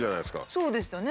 そうでしたね